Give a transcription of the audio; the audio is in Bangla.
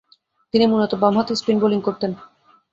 তিনি মূলতঃ বামহাতি স্পিন বোলিং করতেন।